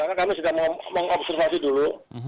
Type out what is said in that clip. karena kami sudah mengobservasi dulu